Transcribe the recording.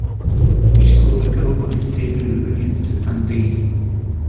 He scored a goal on his debut against Dundee.